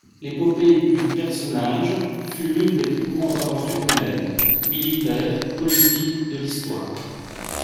L'épopée du personnage fut l'une des plus grandes aventures humaines, militaires, politiques de l'histoire.